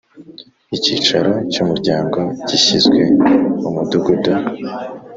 Icyicaro cy umuryango gishyizwe mu mudugudu